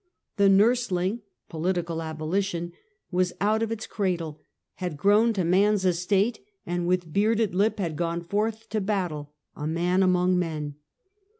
The nm seling — political abolition — was out of its cradle, had grown to man's estate, and with bearded lip had gone forth to battle, a man among men.